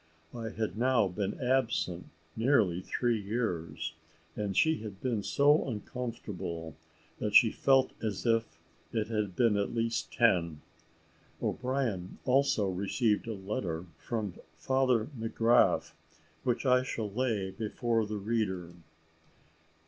I had now been absent nearly three years, and she had been so uncomfortable that she felt as if it had been at least ten. O'Brien also received a letter from Father McGrath, which I shall lay before the reader.